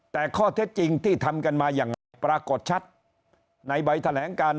แต่ข้อเท็จจริงที่ทำกันมายังไงปรากฏชัดในใบแถลงการ